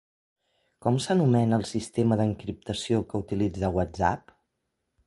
Com s'anomena el sistema d'encriptació que utilitza WhatsApp?